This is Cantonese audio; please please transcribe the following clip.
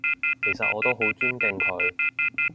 其實我都好尊敬佢